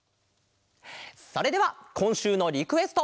それではこんしゅうのリクエスト。